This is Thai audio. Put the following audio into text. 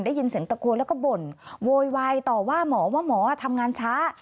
ได้ยินเสียงตะโกนแล้วก็บ่นโวยวายต่อว่าหมอว่าหมอทำงานช้า